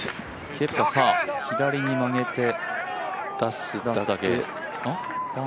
ケプカ左に曲げて出す？